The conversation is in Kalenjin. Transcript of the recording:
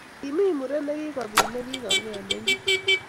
Kimi muren negibogit negikaruu eng benchit